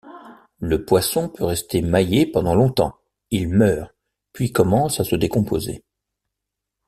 Le poisson peut rester maillé pendant longtemps, il meurt puis commence à se décomposer.